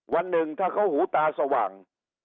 วันหนึ่งถ้าเขาหูตาสว่าง